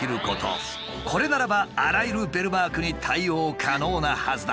これならばあらゆるベルマークに対応可能なはずだ。